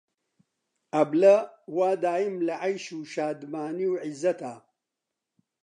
ئەبلە وا دایم لە عەیش و شادمانی و عیززەتا